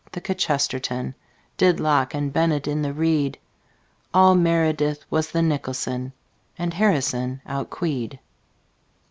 The kchesterton Did locke and bennett in the reed. All meredith was the nicholson, And harrison outqueed.